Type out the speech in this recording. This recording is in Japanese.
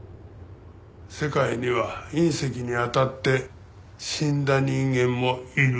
世界には隕石に当たって死んだ人間もいる。